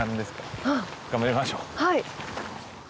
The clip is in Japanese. はい。